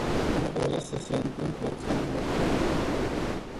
Nu doresc să se întâmple acest lucru.